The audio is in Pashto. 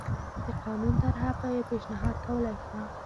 د قانون طرحه یې پېشنهاد کولای شوه